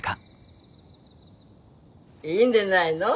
いいんでないの。